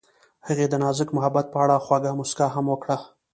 هغې د نازک محبت په اړه خوږه موسکا هم وکړه.